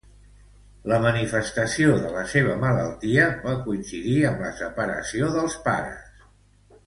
La manifestació de la seua malaltia va coincidir amb la separació dels pares.